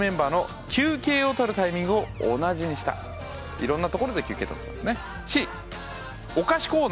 いろんな所で休憩とってたんですね。